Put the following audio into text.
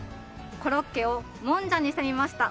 コロッケをもんじゃにしてみました。